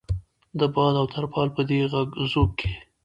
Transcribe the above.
د باد او ترپال په دې غږ ځوږ کې.